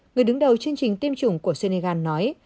người đứng đầu chương trình tiêm chủng của senegal nói